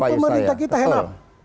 kecuali pemerintah kita hand up